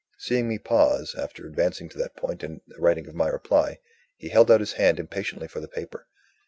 Seeing me pause, after advancing to that point in the writing of my reply, he held out his hand impatiently for the paper.